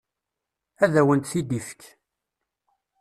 Ad awent-t-id-ifek.